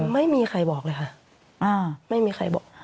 ไม่มีใครบอกเลยค่ะไม่มีใครบอก